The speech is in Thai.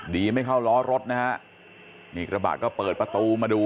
ไม่เข้าล้อรถนะฮะนี่กระบะก็เปิดประตูมาดู